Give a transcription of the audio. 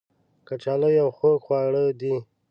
کچالو یو خوږ خواړه دی